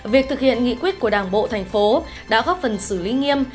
việc thực hiện nghị quyết của đảng bộ thành phố đã góp phần xử lý nghiêm